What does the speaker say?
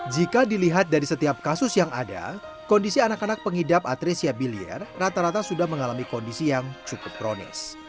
jika dilihat dari setiap kasus yang ada kondisi anak anak pengidap atresia bilier rata rata sudah mengalami kondisi yang cukup kronis